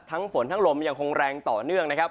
ฝนทั้งลมยังคงแรงต่อเนื่องนะครับ